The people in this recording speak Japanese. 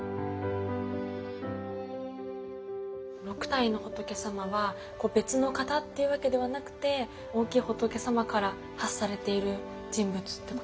６体の仏様は別の方っていうわけではなくて大きい仏様から発されている人物っていうことなんですね。